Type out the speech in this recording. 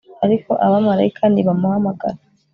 ariko abamarayika nibamuhamagara